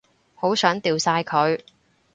好想掉晒佢